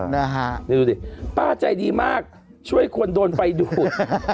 นะฮะดูดิป้าใจดีมากช่วยคนโดนไฟดูด